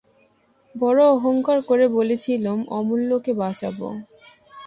বড়ো অহংকার করে বলেছিলুম, অমূল্যকে বাঁচাব।